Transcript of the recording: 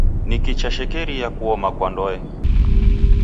Niki chashekeria kuoma kwa ndoe